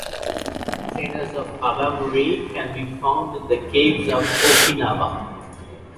Containers of Awamori can be found in the caves of Okinawa.